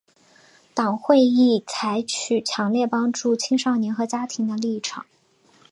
党会议采取强烈帮助青少年和家庭的立场。